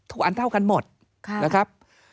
อันเท่ากันหมดนะครับ